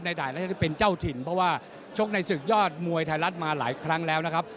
ด่ายแล้วจะเป็นเจ้าถิ่นเพราะว่าชกในศึกยอดมวยไทยรัฐมาหลายครั้งแล้วนะครับ